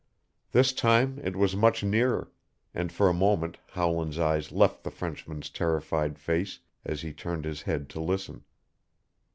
This time it was much nearer, and for a moment Howland's eyes left the Frenchman's terrified face as he turned his head to listen.